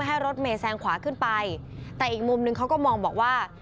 ให้รถเมย์แซงขวาขึ้นไปแต่อีกมุมนึงเขาก็มองบอกว่า